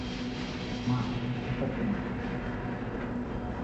মা, চিন্তা কোরো না, আমি দেখছি।